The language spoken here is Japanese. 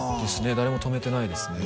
誰も泊めてないですね